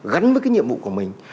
gắn với cái nhiệm vụ của mình